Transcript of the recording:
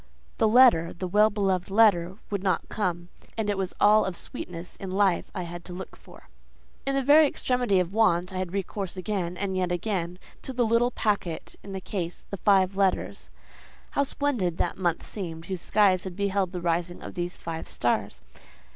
The letter—the well beloved letter—would not come; and it was all of sweetness in life I had to look for. In the very extremity of want, I had recourse again, and yet again, to the little packet in the case—the five letters. How splendid that month seemed whose skies had beheld the rising of these five stars!